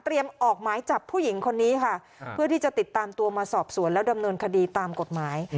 ออกหมายจับผู้หญิงคนนี้ค่ะเพื่อที่จะติดตามตัวมาสอบสวนแล้วดำเนินคดีตามกฎหมาย